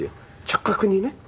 直角にね。